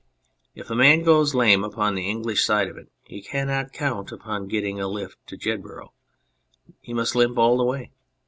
If a man goes lame upon the English side of it he cannot count upon getting a lift to Jedburgh ; he must limp it all the way.